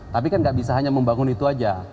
tapi kan nggak bisa hanya membangun itu saja